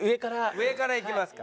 上からいきますか。